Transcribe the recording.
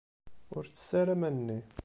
Ur ttess ara aman-nni.